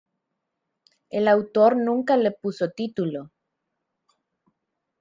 El autor nunca le puso título.